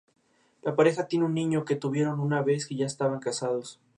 La agricultura sigue siendo la ocupación principal.